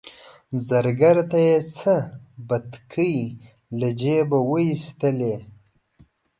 زرګر ته یې څه بتکۍ له جیبه وایستلې.